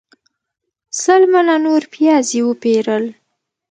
سل منه نور پیاز یې وپیرل.